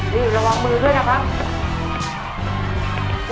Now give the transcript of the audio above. รีบระวังมือด้วยนะค่ะ